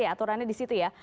aturannya di situ ya